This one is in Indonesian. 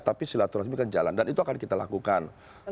tapi silaturahmi akan jalan dan itu akan kita lakukan